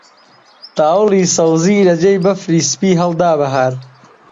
تاوڵی سەوزی لە جێی بەفری سپی هەڵدا بەهار